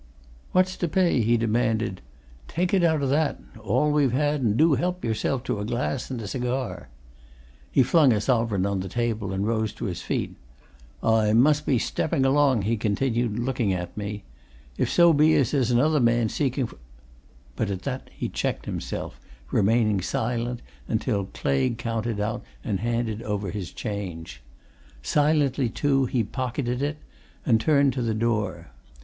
"What's to pay?" he demanded. "Take it out o' that all we've had, and do you help yourself to a glass and a cigar." He flung a sovereign on the table, and rose to his feet. "I must be stepping along," he continued, looking at me. "If so be as there's another man seeking for " But at that he checked himself, remaining silent until Claigue counted out and handed over his change; silently, too, he pocketed it, and turned to the door.